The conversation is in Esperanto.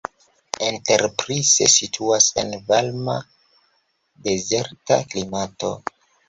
Enterprise situas en varma dezerta klimato.